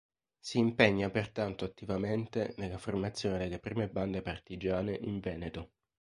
Si impegna pertanto attivamente nella formazione delle prime bande partigiane in Veneto.